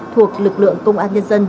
thuộc lực lượng công an nhân dân